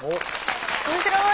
面白い！